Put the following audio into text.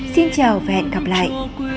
xin chào và hẹn gặp lại